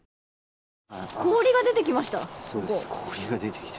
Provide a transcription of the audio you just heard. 氷が出てきました。